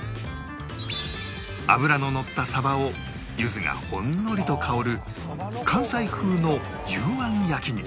脂ののった鯖をゆずがほんのりと香る関西風の幽庵焼に